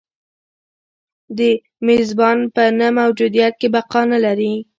د میزبان په نه موجودیت کې بقا نه لري.